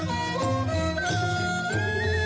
โอ้โหโอ้โหโอ้โห